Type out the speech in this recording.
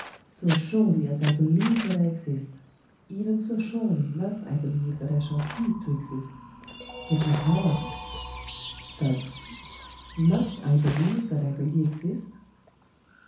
So surely as I believe that I exist, even so surely must I believe that I shall cease to exist — which is horror !... But — Must I believe that I really exist